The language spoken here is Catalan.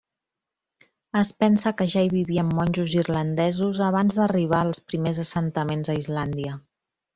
Es pensa que ja hi vivien monjos irlandesos abans d'arribar els primers assentaments a Islàndia.